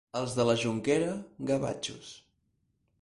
Els de la Jonquera, gavatxos.